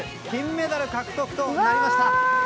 金メダル獲得となりました！